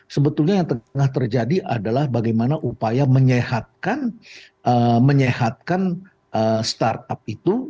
sebetulnya yang tengah terjadi adalah bagaimana upaya menyehatkan startup itu